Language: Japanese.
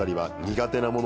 苦手なもの。